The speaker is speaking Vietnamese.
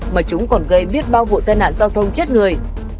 mà chúng còn gây biết bao vụ tai nạn giao thông chết người